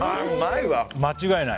間違いない！